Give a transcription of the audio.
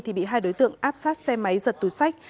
thì bị hai đối tượng áp sát xe máy giật túi sách